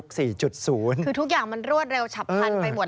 คือทุกอย่างมันรวดเร็วฉับพันไปหมด